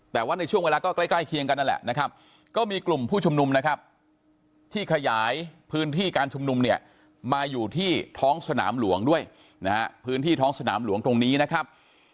ที่ขยายพื้นที่การชมนุมเนี่ยมาอยู่ที่ท้องสนามหลวงด้วยนะฮะพื้นที่ท้องสนามหลวงตรงนี้นะครับ